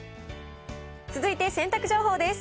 続いて洗濯情報です。